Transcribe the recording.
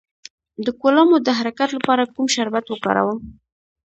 د کولمو د حرکت لپاره کوم شربت وکاروم؟